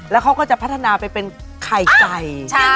แล้วเขาก็จะพัฒนาไปเป็นไข่ไก่